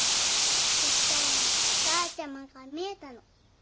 そしたらお母ちゃまが見えたの。